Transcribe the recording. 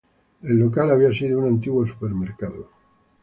El local había sido un antiguo supermercado.